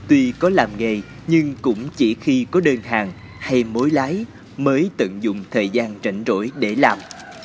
tuy có làm nghề nhưng cũng chỉ khi có đơn hàng hay mối lái mới tận dụng thời gian rảnh rỗi để làm